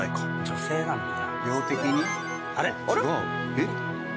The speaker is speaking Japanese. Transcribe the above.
えっ？